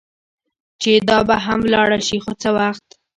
چې دا به هم ولاړه شي، خو څه وخت.